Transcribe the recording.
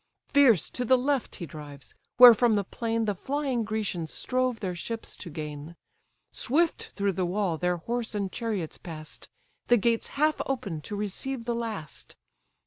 Fierce to the left he drives, where from the plain The flying Grecians strove their ships to gain; Swift through the wall their horse and chariots pass'd, The gates half open'd to receive the last.